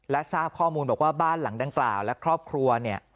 และทราบข้อมูลบอกว่าบ้านหลังดังกล่าวและครอบครัวเนี่ย